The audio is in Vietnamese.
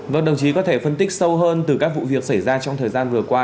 vâng đồng chí có thể phân tích sâu hơn từ các vụ việc xảy ra trong thời gian vừa qua